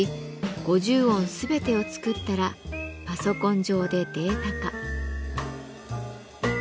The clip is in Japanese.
５０音全てを作ったらパソコン上でデータ化。